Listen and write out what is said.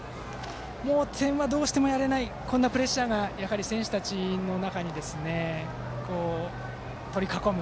もう点はどうしてもやれないこんなプレッシャーがやはり選手たちの中に取り囲む。